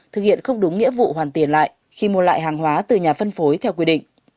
thực hiện không đúng nghĩa vụ hoàn tiền lại khi mua lại hàng hóa từ nhà phân phối theo quy định